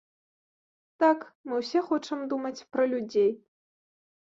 Так, мы ўсе хочам думаць пра людзей.